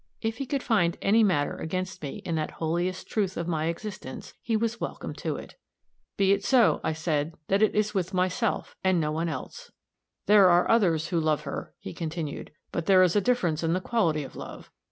If he could find any matter against me in that holiest truth of my existence, he was welcome to it. "Be it so," I said; "that is with myself, and no one else." "There are others who love her," he continued, "but there is a difference in the quality of love.